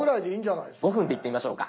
５分でいってみましょうか。